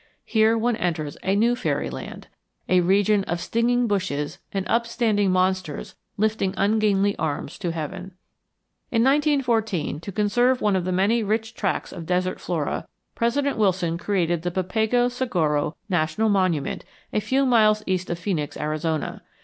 Here one enters a new fairy land, a region of stinging bushes and upstanding monsters lifting ungainly arms to heaven. In 1914, to conserve one of the many rich tracts of desert flora, President Wilson created the Papago Saguaro National Monument a few miles east of Phoenix, Arizona.